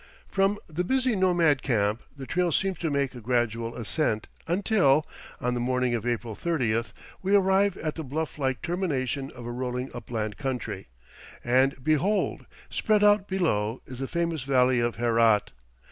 From the busy nomad camp, the trail seems to make a gradual ascent until, on the morning of April 30th, we arrive at the bluff like termination of a rolling upland country, and behold! spread out below is the famous valley of Herat.